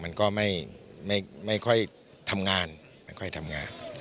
มันก็ไม่ค่อยทำงาน